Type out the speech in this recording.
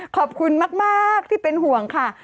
ขอบคุณมากที่เป็นห่วงค่ะ